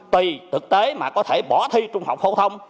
tùy thực tế mà có thể bỏ thi trung học phổ thông